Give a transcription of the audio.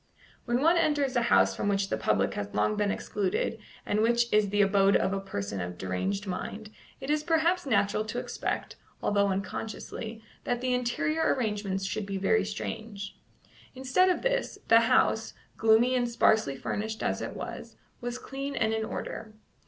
When one enters a house from which the public has long been excluded and which is the abode of a person of deranged mind, it is perhaps natural to expect, although unconsciously, that the interior arrangements should be very strange. Instead of this, the house, gloomy and sparsely furnished as it was, was clean and in order.